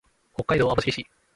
北海道網走市